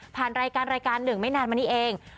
รายการรายการหนึ่งไม่นานมานี้เอง